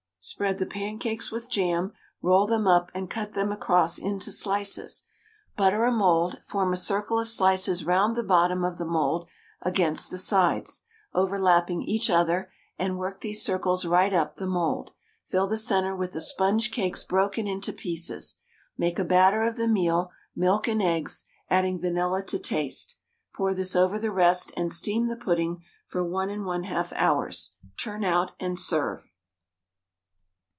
Spread the pancakes with jam, roll them up and cut them across into slices. Butter a mould, form a circle of slices round the bottom of the mould against the sides, overlapping each other, and work these circles right up the mould, fill the centre with the sponge cakes broken into pieces. Make a batter of the meal, milk and eggs, adding vanilla to taste; pour this over the rest and steam the pudding for 1 1/2 hours, turn out, and serve.